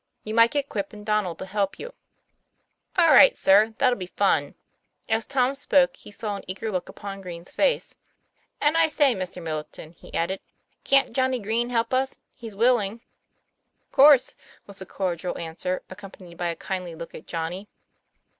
You might get Quip and Donnel to help you." "All right, sir; that'll be fun." As Tom spoke, he saw an eager look upon Green's face. " And I say, Mr. Middleton," he added, " can't Johnny Green help us? he's willing." " Of course," was the cordial answer, accompanied by a kindly look at Johnny.